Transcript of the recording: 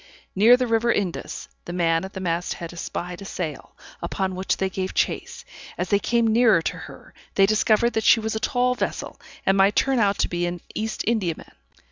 Near the river Indus, the man at the mast head espied a sail, upon which they gave chase; as they came nearer to her, they discovered that she was a tall vessel, and might turn out to be an East Indiaman.